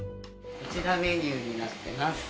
こちらメニューになってます。